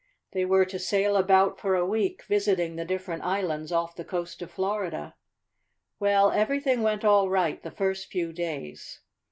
They were to sail about for a week, visiting the different islands off the coast of Florida. "Well, everything went all right the first few days.